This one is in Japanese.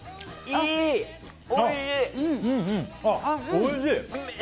おいしい！